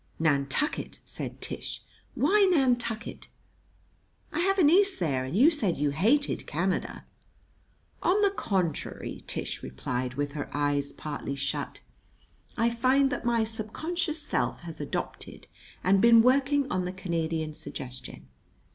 ] "Nantucket!" said Tish. "Why Nantucket?" "I have a niece there, and you said you hated Canada." "On the contrary," Tish replied, with her eyes partly shut, "I find that my subconscious self has adopted and been working on the Canadian suggestion.